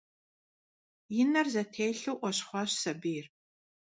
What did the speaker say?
И нэр зэтелъу Ӏуэщхъуащ сабийр.